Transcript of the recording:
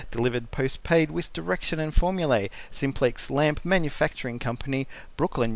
Delivered postpaid with Direction and Formulae. SIMPLEX LAMP MFG. CO., Brooklyn, N.